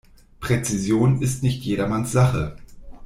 Präzision ist nicht jedermanns Sache.